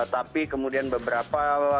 tapi kemudian beberapa